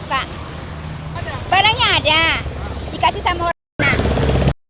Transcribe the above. pak kemarin cari gas di berapa tempat